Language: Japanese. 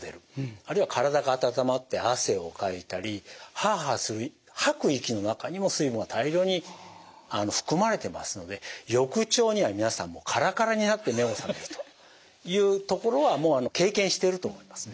あるいは体が温まって汗をかいたりハアハア吐く息の中にも水分が大量に含まれてますので翌朝には皆さんもうカラカラになって目を覚めるというところはもう経験してると思いますね。